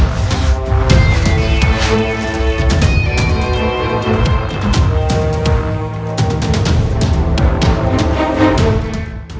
aku akan mencari dia